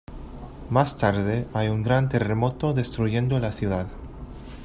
Más tarde, hay un gran terremoto destruyendo la ciudad.